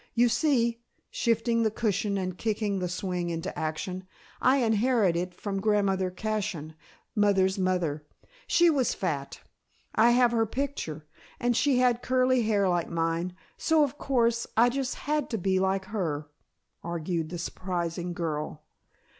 You see," shifting the cushion and kicking the swing into action, "I inherit it from Grandmother Cashion, mother's mother. She was fat. I have her picture. And she had curly hair like mine, so of course I just had to be like her," argued the surprising girl.